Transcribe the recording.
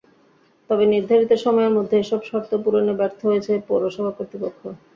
তবে নির্ধারিত সময়ের মধ্যে এসব শর্ত পূরণে ব্যর্থ হয়েছে পৌরসভা কর্তৃপক্ষ।